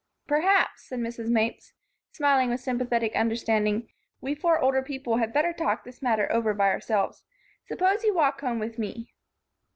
"Perhaps," said Mrs. Mapes, smiling with sympathetic understanding, "we four older people had better talk this matter over by ourselves. Suppose you walk home with me.